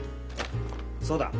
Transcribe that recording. そうだ。